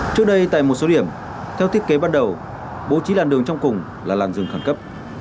trước đây tại một số điểm theo thiết kế ban đầu bố trí làn đường trong cùng là làn rừng khẩn cấp